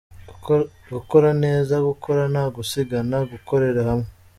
Gukora neza: gukora nta gusigana, gukorera hamwe.